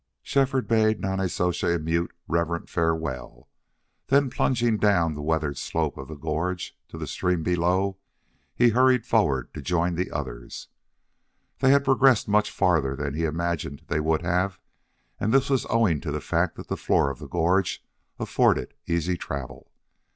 Shefford bade Nonnezoshe a mute, reverent farewell. Then plunging down the weathered slope of the gorge to the stream below, he hurried forward to join the others. They had progressed much farther than he imagined they would have, and this was owing to the fact that the floor of the gorge afforded easy travel.